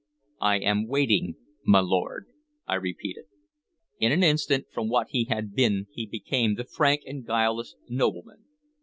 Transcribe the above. "I am waiting, my lord," I repeated. In an instant, from what he had been he became the frank and guileless nobleman.